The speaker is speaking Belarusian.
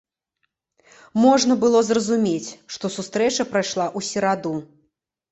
Можна было зразумець, што сустрэча прайшла ў сераду.